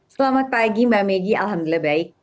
selamat pagi mbak megi alhamdulillah baik